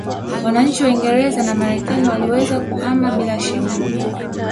Wananchi wa Uingereza na Marekani waliweza kuhama bila shida